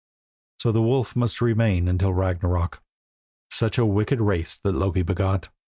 So the wolf must remain until Ragnarök. Such a wicked race has Loki begot.